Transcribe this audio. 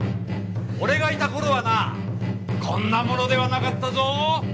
俺がいた頃はなこんなものではなかったぞ。